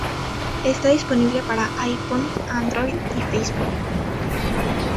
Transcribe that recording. Está disponible para iPhone, Android y Facebook.